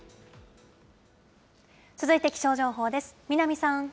続いて気象情報です。